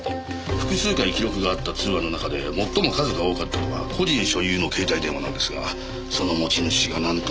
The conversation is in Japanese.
複数回記録があった通話の中で最も数が多かったのが個人所有の携帯電話なんですがその持ち主がなんと。